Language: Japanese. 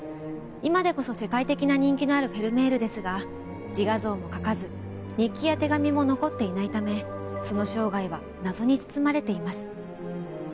今でこそ世界的な人気のあるフェルメールですが自画像も描かず日記や手紙も残っていないためその生涯は謎に包まれています。